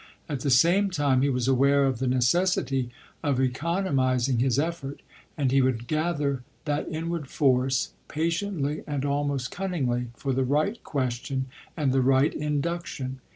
At the same time he was aware of the necessity of economising his effort, and he would gather that inward force, patiently and almost cunningly, for the right question and the right induction.